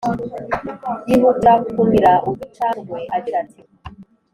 yihutira kumira uducandwe agira ati